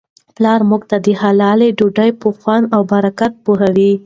پلارموږ ته د حلالې ډوډی په خوند او برکت پوهوي.